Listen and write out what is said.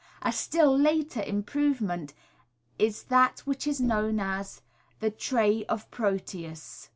A still later improvement is that which is known as The Tray of Proteus.